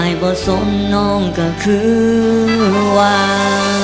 ไอ้บ่สมนองก็คือว่า